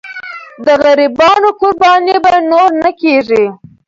د غریبانو قرباني به نور نه کېږي.